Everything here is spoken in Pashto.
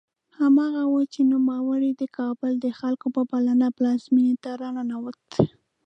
هماغه و چې نوموړی د کابل د خلکو په بلنه پلازمېنې ته راننوت.